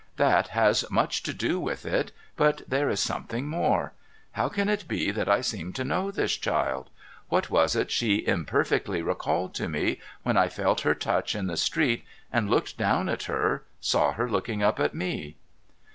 That has much to do with it, but there is something more. How can it be that I seem to know this child ? What was it she imperfectly recalled to me when I felt her touch in the street, and, looking down at her, saw her looking up at me